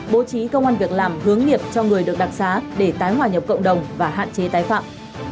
bố trí công an việc làm hướng nghiệp cho người được đặc xá để tái hòa nhập cộng đồng và hạn chế tái phạm